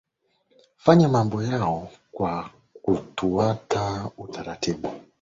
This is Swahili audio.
fanya mambo yao kwa kutuata utaratibu